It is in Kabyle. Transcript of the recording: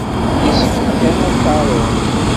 Yessefk kan ad tarud.